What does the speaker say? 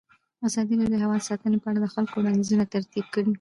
ازادي راډیو د حیوان ساتنه په اړه د خلکو وړاندیزونه ترتیب کړي.